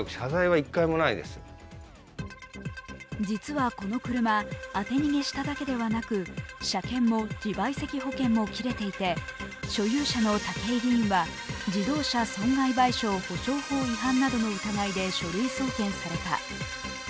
実はこの車、当て逃げしただけではなく、車検も自賠責保険も切れていて所有者の武井議員は自動車損害賠償保障法違反などの疑いで書類送検された。